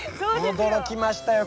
驚きましたよ